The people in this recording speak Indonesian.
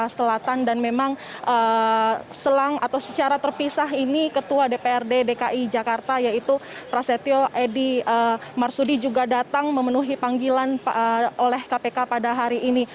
selatan dan memang selang atau secara terpisah ini ketua dprd dki jakarta yaitu prasetyo edy marsudi juga datang memenuhi panggilan oleh kpk pada hari ini